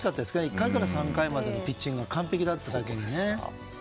１回から３回までのピッチングが完璧だっただけにね。